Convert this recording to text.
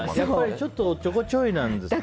ちょっとおっちょこちょいなんですかね。